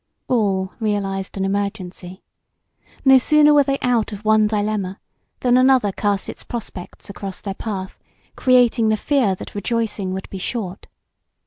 All realized an emergency. No sooner were they out of one dilemma than another cast its prospects across their path, creating the fear that rejoicing would be short.